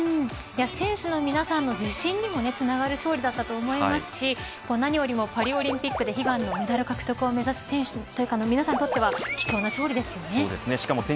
選手の皆さんの自信にもつながる勝利だったと思いますし何よりもパリオリンピックで悲願のメダル獲得を目指す選手の皆さんにとっては貴重な勝利ですね。